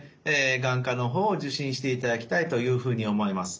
眼科の方を受診していただきたいというふうに思います。